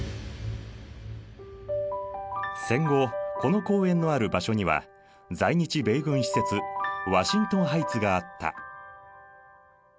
戦後この公園のある場所には在日米軍施設ワシントンハイツがあった。